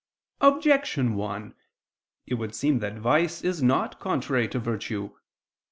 Objection 1: It would seem that vice is not contrary to virtue.